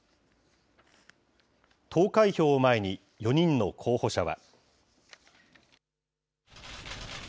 投開票を前に、４人の候補者は。